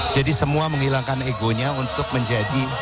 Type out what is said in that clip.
jadi semua menghilangkan egonya untuk menjadi